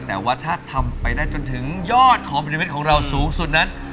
แต่ว่าถ้าทำไปได้จนถึงยอดคอมมินิมิตของเราสูงสุดนั้น